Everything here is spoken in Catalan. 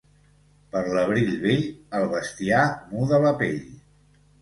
Per l'abril bell el bestiar muda la pell.